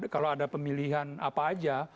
kalau ada pemilihan apa aja